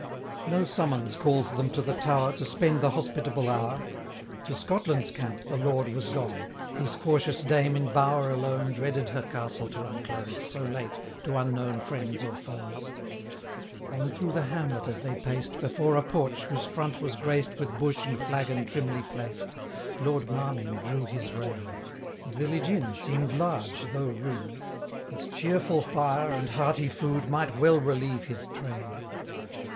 No summons calls them to the tower, To spend the hospitable hour. To Scotland's camp the Lord was gone; 25 His cautious dame, in bower alone, Dreaded her castle to unclose, So late, to unknown friends or foes. On through the hamlet as they paced, Before a porch, whose front was graced 30 With bush and flagon trimly placed, Lord Marmion drew his rein: The village inn seem'd large, though rude; Its cheerful fire and hearty food Might well relieve his train.